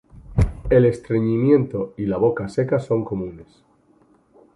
El estreñimiento y la boca seca son comunes.